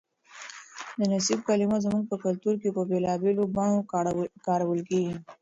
د نصیب کلمه زموږ په کلتور کې په بېلابېلو بڼو کارول کېږي.